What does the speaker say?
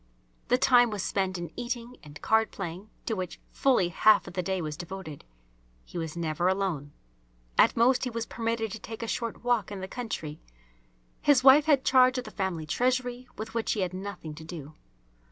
The time was spent in eating and card playing, to which fully half of the day was devoted. He was never alone. At most he was permitted to take a short walk in the country. His wife had charge of the family treasury, with which he had nothing to do.